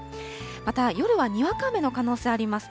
また夜はにわか雨の可能性あります。